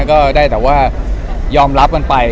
ก็ได้แต่ว่ายอมรับกันไป